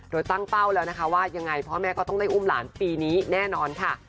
โดยตั้งเป้าแล้วนะคะว่ายังไงพ่อแม่ก็ต้องได้อุ้มหลานปีนี้แน่นอนค่ะ